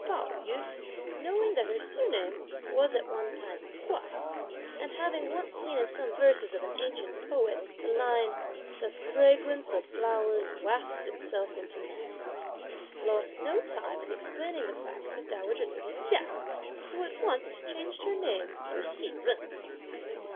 Pao yü, knowing that her surname was at one time Hua, and having once seen in some verses of an ancient poet, the line "the fragrance of flowers wafts itself into man," lost no time in explaining the fact to dowager lady Chia, who at once changed her name into Hsi Jen.